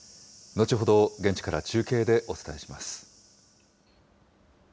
後ほど現地から中継でお伝えします。